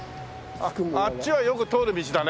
あああっちはよく通る道だね。